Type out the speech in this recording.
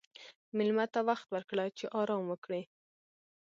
مېلمه ته وخت ورکړه چې آرام وکړي.